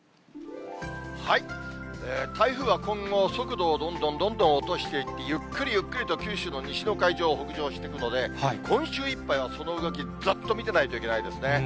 台風は今後、速度をどんどんどんどん落としていって、ゆっくりゆっくりと九州の西の海上を北上していくので、今週いっぱいはその動き、ずっと見てないといけないですね。